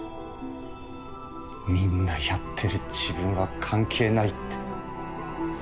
「みんなやってる自分は関係ない」って。